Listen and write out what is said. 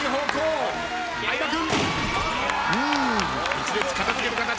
１列片付ける形。